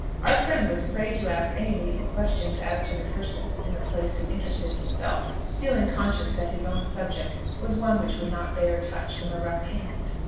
Our friend was afraid to ask any leading questions as to the persons in the place who interested himself, feeling conscious that his own subject was one which would not bear touch from a rough hand.